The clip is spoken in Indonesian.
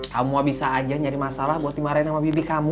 kamu bisa aja nyari masalah bos dimarahin sama bibi kamu